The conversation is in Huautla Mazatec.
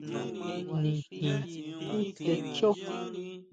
Nijin tesetjio.